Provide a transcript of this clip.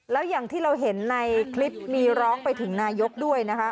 แล้วอย่างที่เราเห็นในคลิปมีร้องไปถึงนายกด้วยนะคะ